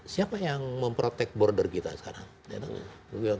siapa yang memprotek border kita sekarang